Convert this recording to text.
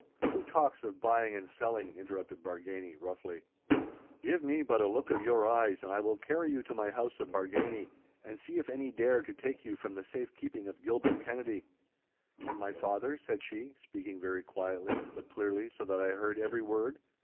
'Who talks of buying and selling?' interrupted Bargany, roughly. 'Give me but a look of your eyes, and I will carry you to my house of Bargany, and see if any dare to take you from the safe keeping of Gilbert Kennedy.' 'And my father?' said she, speaking very quietly, but clearly, so that I heard every word.